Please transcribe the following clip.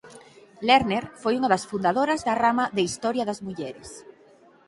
Lerner foi unha das fundadoras da rama de Historia das mulleres.